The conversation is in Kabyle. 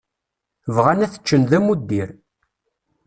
Bɣan ad t-ččen d amuddir.